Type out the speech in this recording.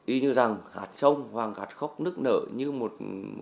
y như rằng hạt sông hoàng cát khóc nức nở như một